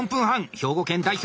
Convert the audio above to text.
兵庫県代表